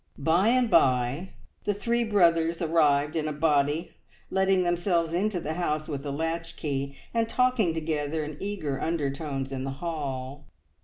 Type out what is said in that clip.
By and by the three brothers arrived in a body, letting themselves into the house with a latch key, and talking together in eager undertones in the hall.